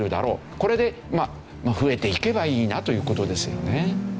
これでまあ増えていけばいいなという事ですよね。